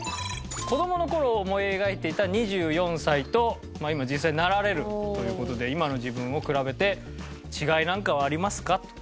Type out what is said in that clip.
子供の頃思い描いていた２４歳と今実際なられるという事で今の自分を比べて違いなんかはありますか？と。